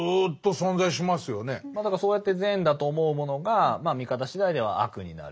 だからそうやって善だと思うものが見方次第では悪になる。